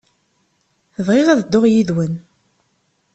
Bɣiɣ ad dduɣ yid-wen.